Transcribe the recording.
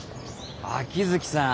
秋月さん